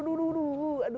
aduh aduh aduh